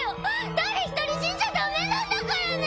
誰一人死んじゃダメなんだからね！